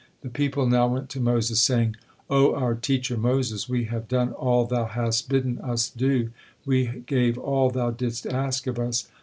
The people now went to Moses, saying: "O our teacher Moses, we have done all thou has bidden us do, we gave all thou didst ask of us.